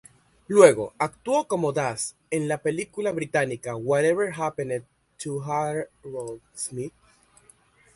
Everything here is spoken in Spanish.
Luego, actuó como Daz en la película británica "Whatever Happened to Harold Smith?